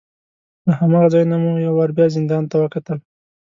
له هماغه ځای نه مې یو وار بیا زندان ته وکتل.